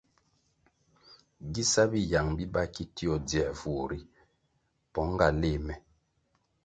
Gi sa biyang biba ki tio dzier vur ri pong nga léh me.